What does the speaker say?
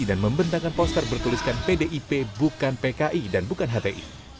dan membentangkan poster bertuliskan pdip bukan pki dan bukan hti